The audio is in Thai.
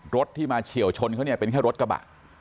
รถที่มาเฉี่ยวชนเป็นก็แค่รถกระบะ